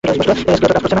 Escalator কাজ করছে না।